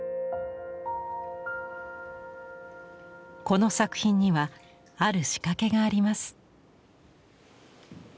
この作品にはある仕掛けがあります。